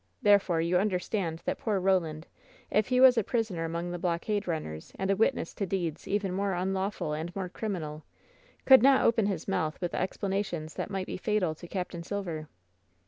Therefore, you understand that poor Ro land, if he was a prisoner among the blockade runners and a witness to deeds even more unlawful and more criminal, could not open his mouth with explanations that might be fatal to Capt. Silver."